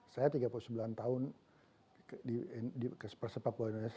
saya tiga puluh sembilan tahun di persepak bola indonesia